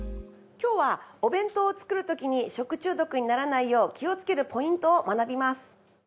今日はお弁当を作る時に食中毒にならないよう気をつけるポイントを学びます。